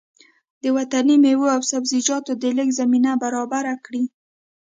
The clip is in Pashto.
د وطني مېوو او سبزيجاتو د لېږد زمينه برابره کړي